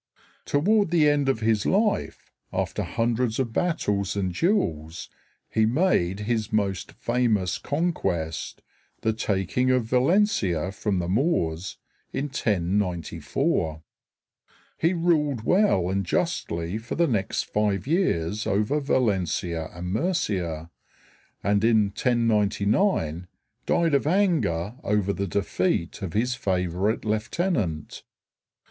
Toward the end of his life, after hundreds of battles and duels, he made his most famous conquest, the taking of Valencia from the Moors, in 1094. He ruled well and justly for the next five years over Valencia and Murcia, and in 1099 died of anger over the defeat of his favorite lieutenant.